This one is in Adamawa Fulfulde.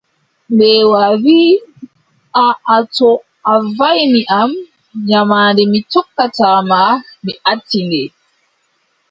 Mbeewa wii: aaʼa to a waʼini am, nyamaande mi tokkata ma, mi acci nde.